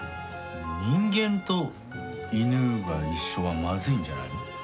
人間と犬が一緒はまずいんじゃないの？